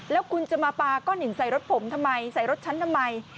แล้วคุณจะมาปลาก้อนหินใส่รถผมทำไมใส่รถฉันทำไม